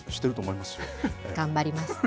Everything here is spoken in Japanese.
頑張ります。